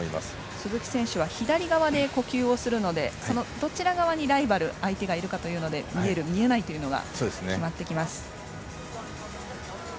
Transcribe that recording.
鈴木選手は左側で呼吸をするのでそのどちら側にライバル相手がいるかというので見える、見えないというのが決まってきます。